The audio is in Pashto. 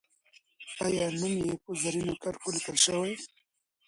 آیا نوم یې په زرینو کرښو لیکل سوی؟